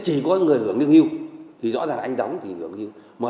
chỉ có người hưởng nước hưu thì rõ ràng anh đóng thì hưởng nước hưu